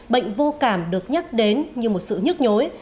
bệnh vô cảm được nhắc đến như một sự nhức nhối